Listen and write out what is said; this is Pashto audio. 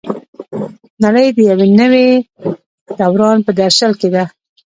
نړۍ د یو نوي دوران په درشل کې ده.